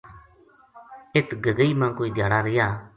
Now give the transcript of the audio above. اِت گگئی ما کوئی دھیاڑا رہیا